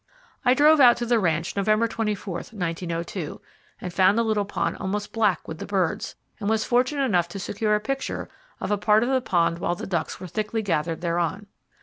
I drove out to the ranch November 24, 1902, and found the little pond almost black with the birds, and was fortunate enough to secure a picture of a part of the pond while the ducks were thickly gathered thereon.